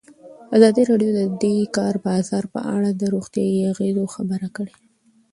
ازادي راډیو د د کار بازار په اړه د روغتیایي اغېزو خبره کړې.